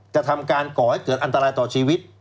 กระทำการก่อให้เกิดอันตรายต่อชีวิต